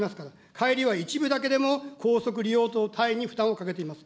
帰りは一部だけでも、高速利用等と隊員に負担をかけています。